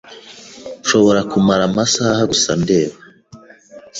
Nshobora kumara amasaha gusa ndeba